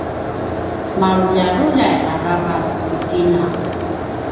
maluljaluljay aravac ti kina